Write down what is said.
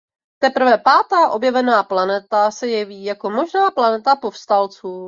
Teprve pátá objevená planeta se jeví jako možná planeta povstalců.